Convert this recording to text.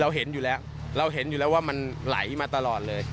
เห็นอยู่แล้วเราเห็นอยู่แล้วว่ามันไหลมาตลอดเลย